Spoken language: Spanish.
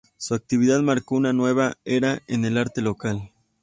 Su actividad marcó una nueva era en el arte local.